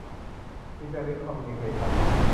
อินเตอร์ลิ้งค์ คอมมิวนิเคชั่น